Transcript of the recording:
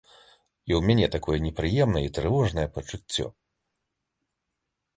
І ў мяне такое непрыемнае і трывожнае пачуццё.